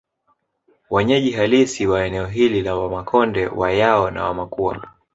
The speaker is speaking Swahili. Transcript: Wanyeji halisi wa eneo hili ni Wamakonde Wayao na Wamakua